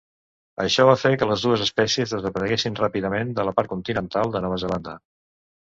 Això va fer que les dues espècies desapareguessin ràpidament de la part continental de Nova Zelanda.